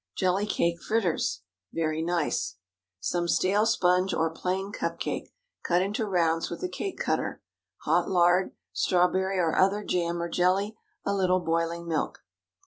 JELLY CAKE FRITTERS (very nice). ✠ Some stale sponge, or plain cup cake, cut into rounds with a cake cutter. Hot lard. Strawberry or other jam, or jelly. A little boiling milk.